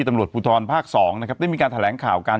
ตำรวจภูทรภาค๒นะครับได้มีการแถลงข่าวการ